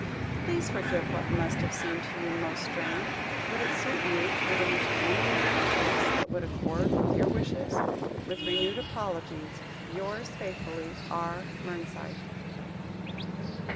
Please forgive what must have seemed to you most strange. Would it suit you to arrange any meeting place that would accord with your wishes? With renewed apologies. "Yours faithfully, "R. MERNSIDE."